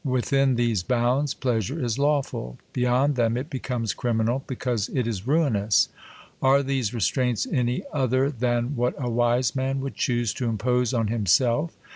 Within these bounds, pleasure is lawful ; beyond them, it becomes criminaK because it is ruinous. Are these restraints any other, than what a wise man would choose to impose on himself?